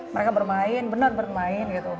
mereka bermain benar bermain gitu